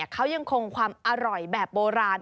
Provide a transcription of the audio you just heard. เขายังคงความอร่อยแบบโบราณ